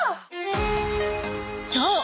［そう！